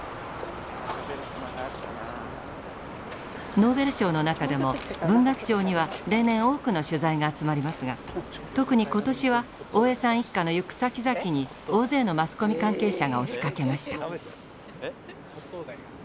ノーベル賞の中でも文学賞には例年多くの取材が集まりますが特に今年は大江さん一家の行くさきざきに大勢のマスコミ関係者が押しかけました。